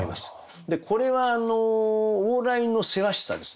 これは往来のせわしさですね。